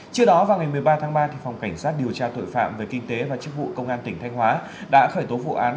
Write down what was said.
trước đó vào ngày một mươi ba tháng ba phòng cảnh sát điều tra tội phạm về kinh tế và chức vụ công an tỉnh thanh hóa đã khởi tố vụ án